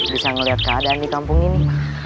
bisa melihat keadaan di kampung ini